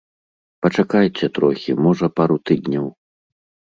Пачакайце трохі, можа, пару тыдняў.